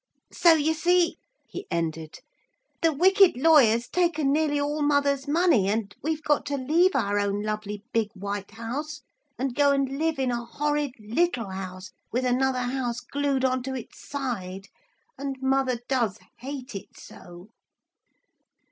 'So you see,' he ended, 'the wicked lawyer's taken nearly all mother's money, and we've got to leave our own lovely big White House, and go and live in a horrid little house with another house glued on to its side. And mother does hate it so.'